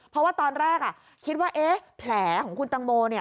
เพราะว่าตอนแรกคิดว่าแผลของคุณตังโม